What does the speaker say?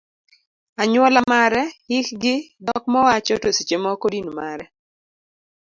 anyuola mare, hikgi, dhok mowacho, to seche moko din mare.